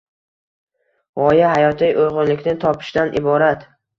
G‘oya hayotiy uyg‘unlikni topishdan iborat